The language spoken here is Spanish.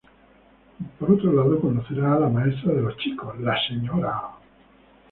Por otro lado conocerá a la maestra de los chicos, la Sra.